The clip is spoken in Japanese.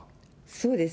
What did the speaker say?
そうです。